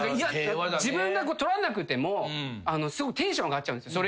自分が取らなくてもテンション上がっちゃうんです。